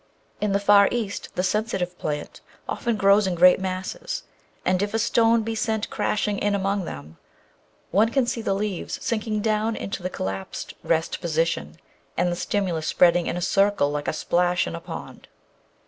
In the Far East the Sensitive Plant often grows in great masses, and if a stone be sent crashing in among them one can see the leaves sinking down into the col lapsed rest position, and the stimulus spreading in a circle like a splash in a pond.